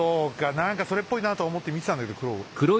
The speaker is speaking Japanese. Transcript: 何かそれっぽいなと思って見てたんだけど黒を。